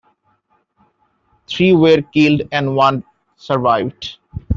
Three were killed and one survived.